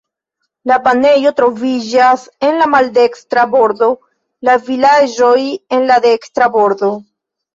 La banejo troviĝas en la maldekstra bordo, la vilaĝoj en la dekstra bordo.